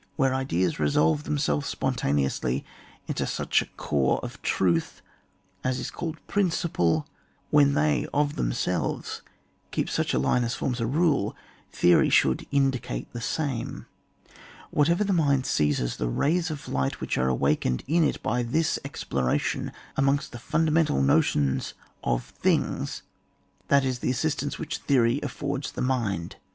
Where ideas resolve themselves spon taneously into such a core of Truth as is called Principle, when they of themselves keep such a line as forms a rule, Theory should indicate the same. Whatever the mind seizes, the rays of light which are awakened in it by this exploration amongst the fundamental notions of things, that is ths aasintance which Theory affords the mind.